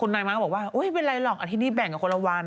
คุณนายม้าบอกว่าโอ๊ยเป็นไรหรอกอาทิตย์นี้แบ่งกับคนละวัน